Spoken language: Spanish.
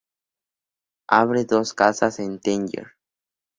Abre dos casas en Tánger.